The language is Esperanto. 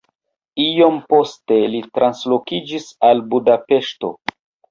Iom poste li translokiĝis al Budapeŝto.